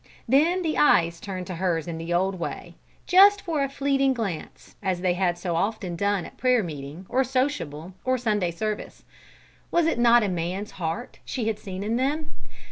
Then the eyes turned to hers in the old way, just for a fleeting glance, as they had so often done at prayer meeting, or sociable, or Sunday service. Was it not a man's heart she had seen in them?